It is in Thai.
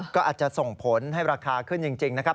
ก็อาจจะส่งผลให้ราคาขึ้นจริงนะครับ